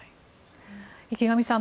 池上さん